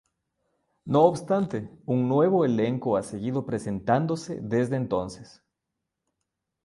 No obstante, un nuevo elenco ha seguido presentándose desde entonces.